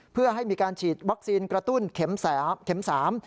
เพื่อให้มีการฉีดวัคซีนกระตุ้นเข็ม๓